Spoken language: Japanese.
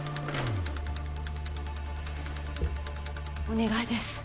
お願いです。